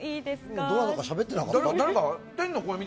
どなたかしゃべってなかった？